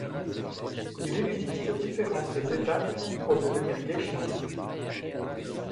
Il existe différentes étapes pour devenir geisha.